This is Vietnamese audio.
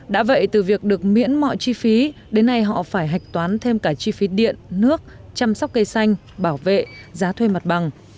đã vậy từ việc được miễn mọi chi phí đến nay họ phải hạch toán thêm cả chi phí điện nước chăm sóc cây xanh bảo vệ giá thuê mặt bằng